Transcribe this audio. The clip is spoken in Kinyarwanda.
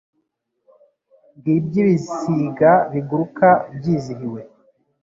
ngibyo ibisiga biguruka byizihiwe